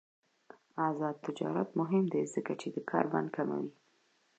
آزاد تجارت مهم دی ځکه چې د کاربن کموي.